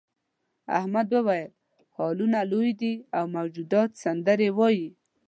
احمد وویل هالونه لوی دي او موجودات سندرې وايي.